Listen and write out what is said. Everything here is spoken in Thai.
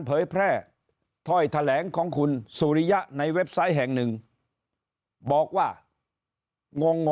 เผยแพร่ถ้อยแถลงของคุณสุริยะในเว็บไซต์แห่งหนึ่งบอกว่างง